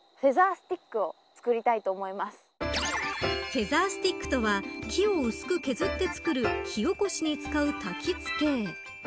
フェザースティックとは木を薄く削って作る火おこしに使う、たき付け。